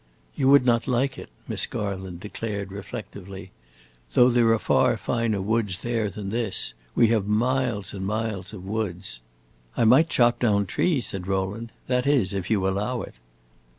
"You would not like it," Miss Garland declared reflectively. "Though there are far finer woods there than this. We have miles and miles of woods." "I might chop down trees," said Rowland. "That is, if you allow it."